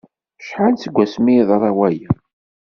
Acḥal seg wasmi i yeḍra waya?